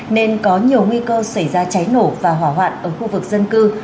nên có nhiều nguy cơ xảy ra cháy nổ và hỏa hoạn ở khu vực dân cư